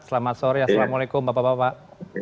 selamat sore assalamualaikum bapak bapak